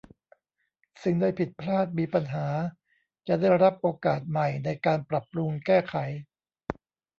สิ่งใดผิดพลาดมีปัญหาจะได้รับโอกาสใหม่ในการปรับปรุงแก้ไข